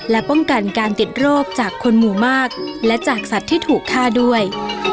และป้องกันการติดโรคจากคนหมู่มากและจากสัตว์ที่ถูกฆ่าด้วย